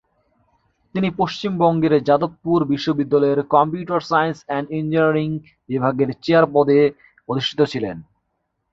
তিনি পশ্চিমবঙ্গের যাদবপুর বিশ্ববিদ্যালয়ের কম্পিউটার সায়েন্স এন্ড ইঞ্জিনিয়ারিং বিভাগের চেয়ার পদে অধিষ্ঠিত ছিলেন।